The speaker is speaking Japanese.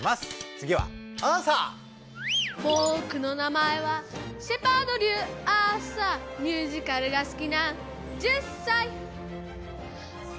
つぎはアーサー！ぼくの名前はシェパード龍アーサーミュージカルがすきな１０さいすごい！